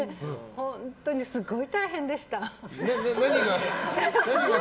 本当にすごい大変でした。